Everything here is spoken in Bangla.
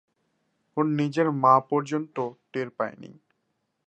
ওর নিজের মা পর্যন্ত টের পায়নি।